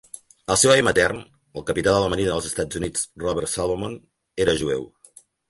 El seu avi matern, el capità de la Marina dels Estats Units Robert Salomon, era jueu.